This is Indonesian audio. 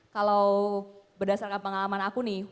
kalau berdasarkan pengalaman aku nih